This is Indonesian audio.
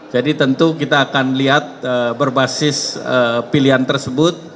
jadi tentu kita akan lihat berbasis pilihan tersebut